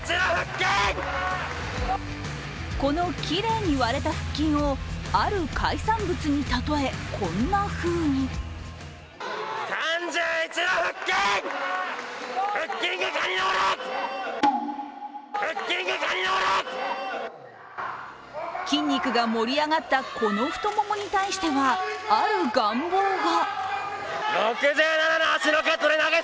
このきれいに割れた腹筋をある海産物にたとえ、こんなふうに筋肉が盛り上がった、この太ももに対しては、ある願望が。